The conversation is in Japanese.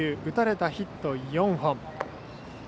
打たれたヒット４本。